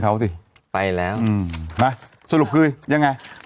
ช่วยเหลือไง